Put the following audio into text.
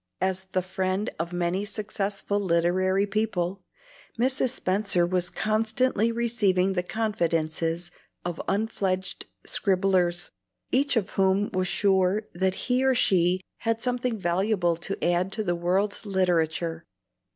As the friend of many successful literary people, Mrs. Spenser was constantly receiving the confidences of unfledged scribblers, each of whom was sure that he or she had something valuable to add to the world's literature.